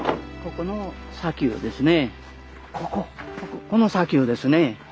この砂丘ですね。